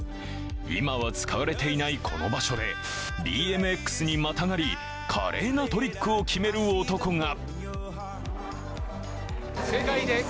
今は使われていないこの場所でＢＭＸにまたがり華麗なトリックを決める男が。